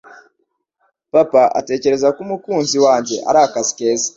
Papa atekereza ko umukunzi wanjye ari akazi keza